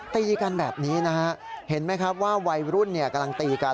ตีกันแบบนี้นะฮะเห็นไหมครับว่าวัยรุ่นกำลังตีกัน